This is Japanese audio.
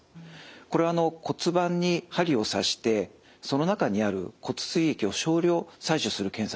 これは骨盤に針を刺してその中にある骨髄液を少量採取する検査です。